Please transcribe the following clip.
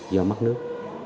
do mắc nước